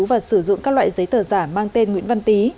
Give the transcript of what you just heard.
và sử dụng các loại giấy tờ giả mang tên nguyễn văn tý